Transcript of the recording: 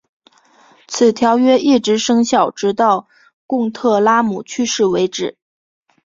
此条约一直生效直到贡特拉姆去世为止。